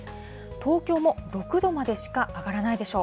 東京も６度までしか上がらないでしょう。